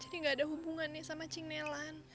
jadi gak ada hubungannya sama cing nelan